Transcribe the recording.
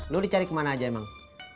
lu dicari kemana aja emang